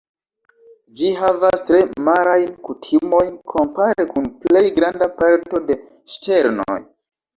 Ĝi havas tre marajn kutimojn kompare kun plej granda parto de ŝternoj.